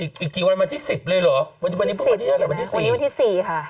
อีกกี่วันมาที่สิบเลยหรอวันนี้เป็นวันที่สี่หรอวันนี้วันที่สี่ค่ะ